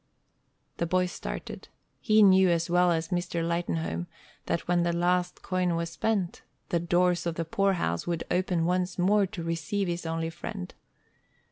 The boy started. He knew as well as Mr. Lightenhome that when the last coin was spent, the doors of the poorhouse would open once more to receive his only friend.